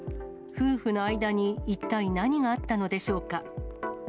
夫婦の間に一体何があったのでしょうか。